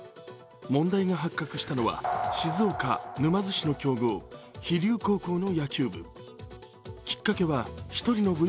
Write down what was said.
問題が発覚したのは、静岡・沼津市の強豪、飛龍高校の野球部。